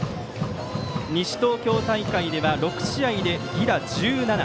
西東京大会では６試合で犠打１７。